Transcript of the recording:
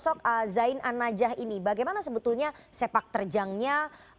sosok zain an najah ini bagaimana sebetulnya sepak terjangnya